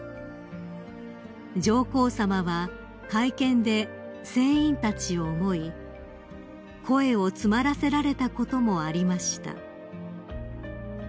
［上皇さまは会見で船員たちを思い声を詰まらせられたこともありました］